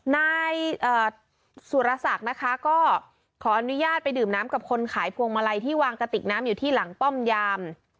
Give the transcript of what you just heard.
นายสุรศักดิ์นะคะก็ขออนุญาตไปดื่มน้ำกับคนขายพวงมาลัยที่วางกระติกน้ำอยู่ที่หลังป้อมยาม